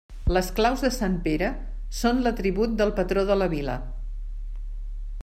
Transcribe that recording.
Les claus de Sant Pere són l'atribut del patró de la vila.